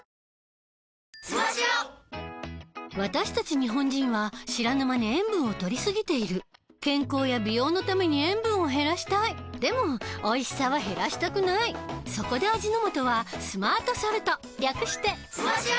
私たち日本人は知らぬ間に塩分をとりすぎている健康や美容のために塩分を減らしたいでもおいしさは減らしたくないそこで味の素は「スマートソルト」略して「スマ塩」！